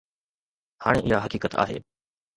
هاڻي اها حقيقت آهي